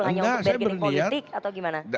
hanya untuk bargaining politik atau gimana